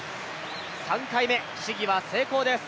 ３回目、試技は成功です。